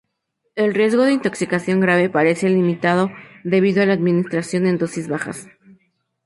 El riesgo de intoxicación grave parece limitado debido a la administración en dosis bajas.